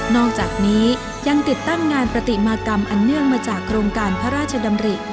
อกจากนี้ยังติดตั้งงานปฏิมากรรมอันเนื่องมาจากโครงการพระราชดำริ